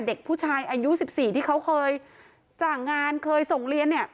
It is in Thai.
เด็กผู้ชายอายุ๑๔ที่เขาเคยจ่างงานเคยส่งเรียนเนี่ย